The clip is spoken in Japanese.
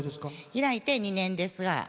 開いて２年です。